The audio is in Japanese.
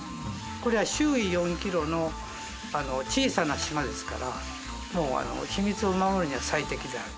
これは周囲４ｋｍの小さな島ですから秘密を守るには最適である。